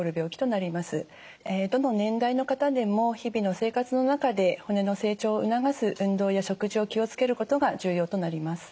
どの年代の方でも日々の生活の中で骨の成長を促す運動や食事を気を付けることが重要となります。